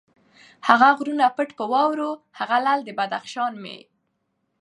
هغه غرونه پټ په واورو، هغه لعل د بدخشان مي